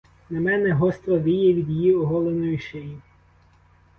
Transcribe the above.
На мене гостро віє від її оголеної шиї.